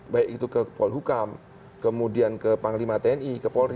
baik itu ke polhukam kemudian ke panglima tni ke polri